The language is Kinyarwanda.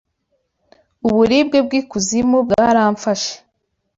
Uburibwe bw’ikuzimu bwaramfashe